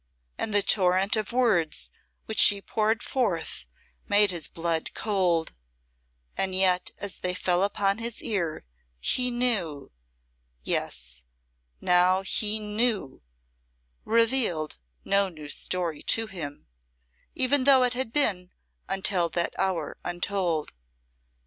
And the torrent of words which she poured forth made his blood cold, and yet as they fell upon his ear he knew yes, now he knew revealed no new story to him, even though it had been until that hour untold.